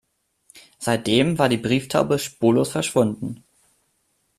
Seitdem war die Brieftaube spurlos verschwunden.